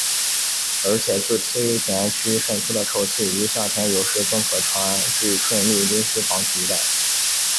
而且自堆填区渗出的臭气于夏天有时更可传至顺利临时房屋区一带。